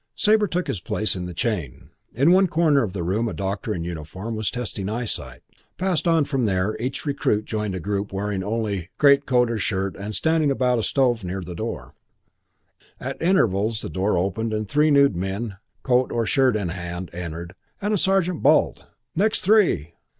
Sabre took his place in the chain. In one corner of the room a doctor in uniform was testing eyesight. Passed on from there each recruit joined a group wearing only greatcoat or shirt and standing about a stove near the door. At intervals the door opened and three nude men, coat or shirt in hand, entered, and a sergeant bawled, "Next three!"